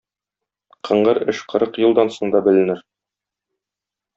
Кыңгыр эш кырык елдан соң да беленер.